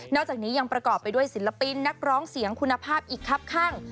จากนี้ยังประกอบไปด้วยศิลปินนักร้องเสียงคุณภาพอีกครับข้าง